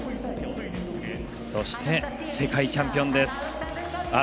そして、世界チャンピオンです。